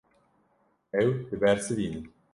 Ew dibersivînin.